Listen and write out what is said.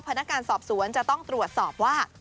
พนักงานสอบสวนจะต้องตรวจสอบว่า